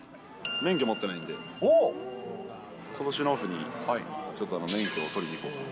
免許持ってないんで、ことしのオフに、ちょっと免許を取りに行こうかなと。